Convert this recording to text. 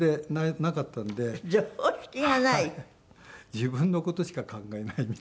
自分の事しか考えないみたいな。